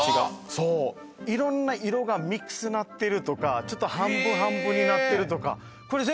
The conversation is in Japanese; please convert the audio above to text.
そう色んな色がミックスなってるとかちょっと半分半分になってるとかへえっ